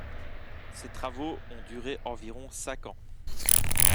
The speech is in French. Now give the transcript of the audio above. Ces travaux ont duré environ cinq ans.